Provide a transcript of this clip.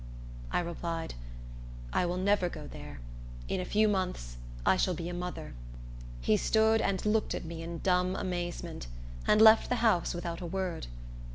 I replied, "I will never go there. In a few months I shall be a mother." He stood and looked at me in dumb amazement, and left the house without a word.